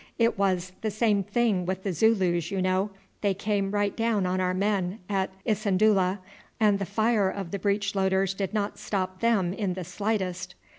It was the same thing with the Zulus, you know, they came right down on our men at Isandula, and the fire of the breech loaders did not stop them in the slightest."